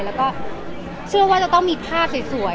แล้วก็เชื่อว่าจะต้องมีภาพสวย